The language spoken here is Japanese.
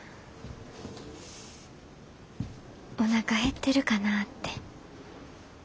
おなか減ってるかなって。